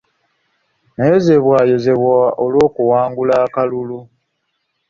Nayozaayozebwa olw'okuwangula akalulu.